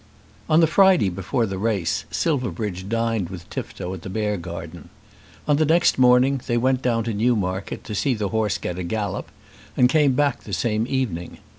On the Friday before the race Silverbridge dined with Tifto at the Beargarden. On the next morning they went down to Newmarket to see the horse get a gallop, and came back the same evening.